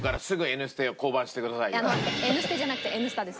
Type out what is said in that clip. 「Ｎステ」じゃなくて『Ｎスタ』です。